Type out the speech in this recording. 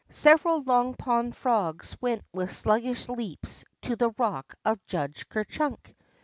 Several Long Pond frogs went with sluggish leaps to the rock of Judge Ker Chunk.